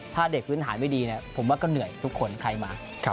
ถ้าเด็กพื้นฐานไม่ดีผมว่าก็เหนื่อยทุกคนใครมา